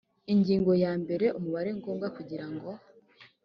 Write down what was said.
ingingo ya mbere umubare ngombwa kugirango